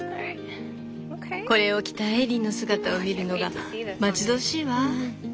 これを着たエリーの姿を見るのが待ち遠しいわ。